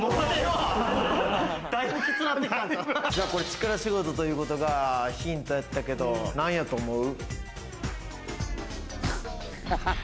力仕事ということがヒントやったけど、なんやと思う？